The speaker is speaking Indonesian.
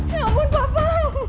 ya ampun papa